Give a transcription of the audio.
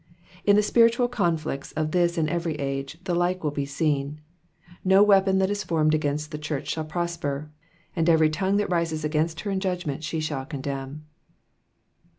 In the spiritual conflicts of this and every age, tho like will be seen ; no weapon that is formed against the church shall prosper, and every tongue that rises against her in judgment, she shall condemn.